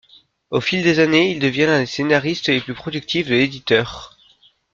Au fil des années, il devient l'un des scénaristes les plus productifs de l'éditeur.